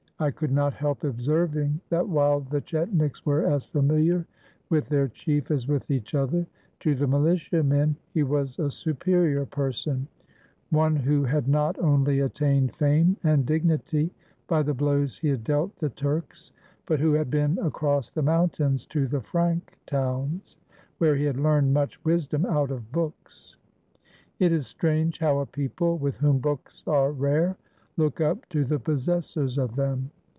I could not help observing that while the chetniks were as familiar with their chief as with each other, to the militiamen he was a superior person, one who had not only attained fame and dignity, by the blows he had dealt the Turks, but who had been across the mountains to the Frank towns, where he had learned much wisdom out of books. It is strange how a people with whom books are rare look up to the possessors of them.